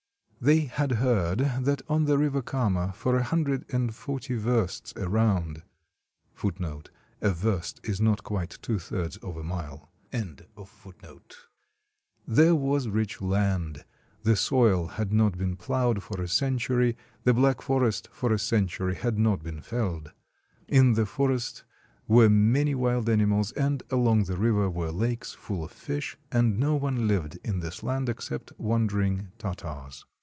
They had heard that on the river Kama, for a hundred and forty versts^ around, there was rich land; the soil had not been ploughed for a century ; the black forest for a century had not been felled. In the forests were many wild animals, and along the river were lakes full of fish, and no one hved in this land except wandering Tartars.